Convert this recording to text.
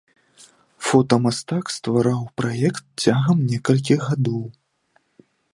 Фотамастак ствараў праект цягам некалькіх гадоў.